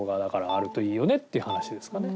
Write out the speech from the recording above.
あるといいよねっていう話ですかね。